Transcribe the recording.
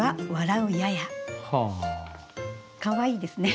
かわいいですね。